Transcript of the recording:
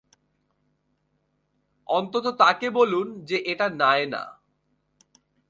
অন্তত তাকে বলুন যে এটা নায়না।